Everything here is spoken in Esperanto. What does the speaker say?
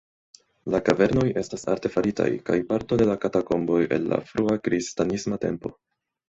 La kavernoj estas artefaritaj kaj parto de katakomboj el la frua kristanisma tempo.